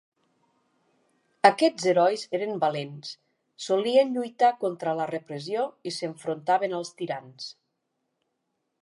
Aquests herois eren valents, solien lluitar contra la repressió i s'enfrontaven als tirans.